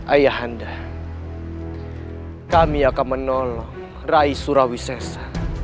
ayah anda kami akan menolong rai surawi sesar